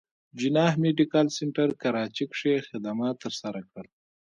جناح ميډيکل سنټر کراچې کښې خدمات تر سره کړل